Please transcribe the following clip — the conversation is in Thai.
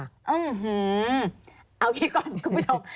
อื้อหือเอาทีก่อนคุณผู้ชม